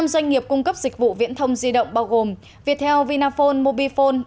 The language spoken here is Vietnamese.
năm doanh nghiệp cung cấp dịch vụ viễn thông di động bao gồm viettel vinaphone mobifone